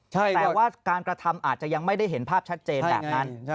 แต่ว่าการกระทำอาจจะยังไม่ได้เห็นภาพชัดเจนแบบนั้น